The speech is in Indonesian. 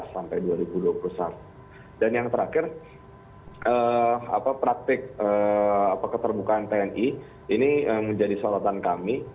sampai dua ribu dua puluh saat dan yang terakhir apa praktik apa keterbukaan tni ini menjadi salatan kami